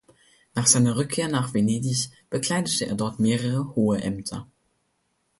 Nach seiner Rückkehr nach Venedig bekleidete er dort mehrere hohe Ämter.